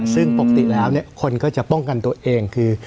ซึ่งปกติแล้วคนก็จะป้องกันตัวเองคือ